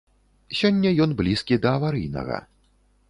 Сёння ён блізкі да аварыйнага.